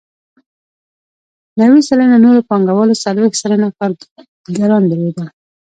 نوي سلنه نورو پانګوالو څلوېښت سلنه کارګران درلودل